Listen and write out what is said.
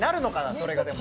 それがでも。